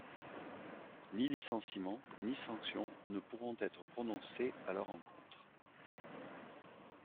Ni licenciement, ni sanction ne pourront être prononcés à leur encontre.